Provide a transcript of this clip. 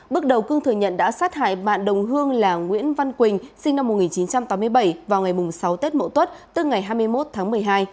bước đầu cương thừa nhận đã sát hại bạn đồng hương là nguyễn văn quỳnh sinh năm một nghìn chín trăm tám mươi bảy vào ngày sáu tết mậu tuất tức ngày hai mươi một tháng một mươi hai